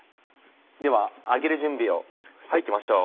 では揚げる準備をしていきましょう。